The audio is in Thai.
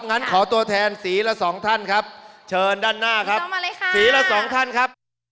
งั้นขอตัวแทนสีละสองท่านครับเชิญด้านหน้าครับสีละสองท่านครับ